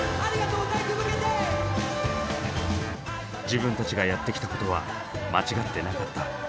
自分たちがやってきたことは間違ってなかった。